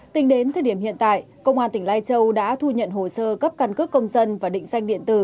tính đến thời điểm hiện tại công an tỉnh lai châu đã thu nhận hồ sơ cấp căn cước công dân và định danh điện tử